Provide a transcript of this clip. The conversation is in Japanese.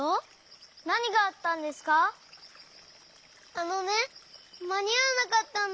あのねまにあわなかったんだ。